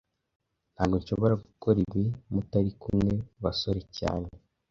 Ntago nshobora gukora ibi mutari kumwe basore cyane